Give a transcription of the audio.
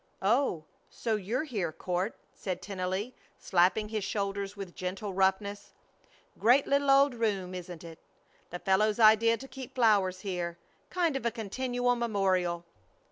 "Oh, so you're here, Court," said Tennelly, slapping his shoulder with gentle roughness, "Great little old room, isn't it? The fellows' idea to keep flowers here. Kind of a continual memorial."